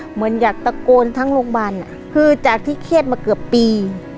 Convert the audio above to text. เหมือนอยากตะโกนทั้งโลกบารอ่ะคือจากที่เข็ดมาเกือบปี